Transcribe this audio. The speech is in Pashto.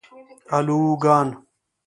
الوگان